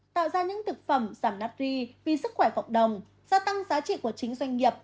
tạo ra những thực phẩm giảm nắc ri vì sức khỏe phòng đồng gia tăng giá trị của chính doanh nghiệp